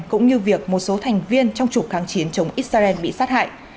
cũng như việc một số thành viên trong trục kháng chiến chống israel bị sát hại